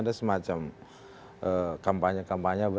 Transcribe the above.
ada semacam kampanye kampanye